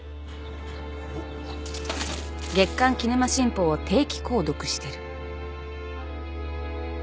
『月刊キネマ新報』を定期購読してる。